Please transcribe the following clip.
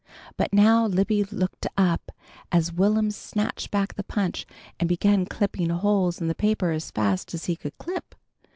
But now Libby looked up, as Will'm snatched back the punch and began clipping holes in the paper as fast as he could clip.